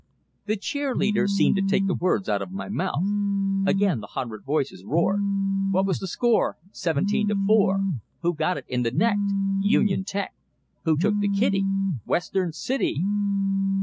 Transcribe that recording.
The cheer leader seemed to take the words out of my mouth. Again the hundred voices roared: "What was the score? Seventeen to four! Who got it in the neck? Union Tech! Who took the kitty? Western City!"